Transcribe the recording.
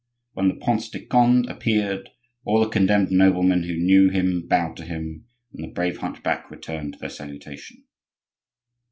When the Prince de Conde appeared all the condemned noblemen who knew him bowed to him, and the brave hunchback returned their salutation.